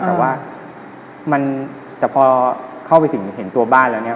แต่พอเข้าไปถึงเห็นตัวบ้านแล้วเนี่ย